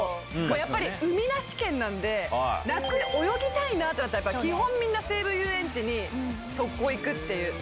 やっぱり海なし県なんで夏泳ぎたい！ってなったら基本みんな西武園ゆうえんちに即行行くっていう。